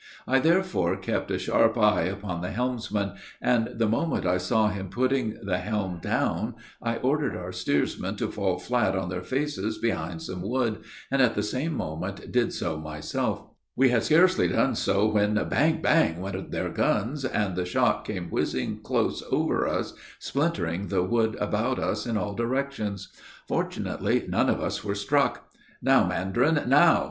I therefore kept a sharp eye upon the helmsman, and the moment I saw him putting the helm down, I ordered our steersman to fall flat on their faces behind some wood, and, at the same moment, did so myself. We had scarcely done so, when bang! bang! went their guns, and the shot came whizzing close over us, splintering the wood about us in all directions. Fortunately none of us were struck. "Now, mandarin, now!